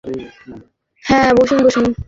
হ্যাঁ, বসুন বসুন।